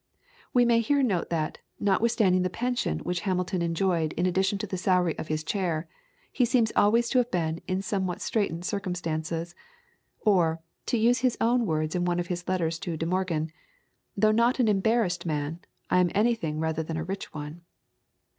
We may here note that, notwithstanding the pension which Hamilton enjoyed in addition to the salary of his chair, he seems always to have been in some what straitened circumstances, or, to use his own words in one of his letters to De Morgan, "Though not an embarrassed man, I am anything rather than a rich one."